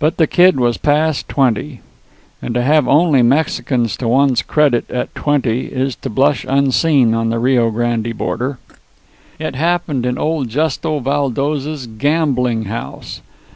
But the Kid was past twenty; and to have only Mexicans to one's credit at twenty is to blush unseen on the Rio Grande border. It happened in old Justo Valdos's gambling house.